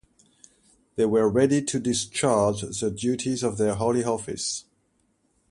They were ready to discharge the duties of their holy office.